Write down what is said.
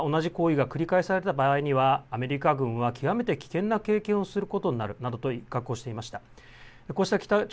きのうは同じ行為が繰り返された場合にはアメリカ軍は極めて危険な経験をすることになるなどと威嚇をしていました。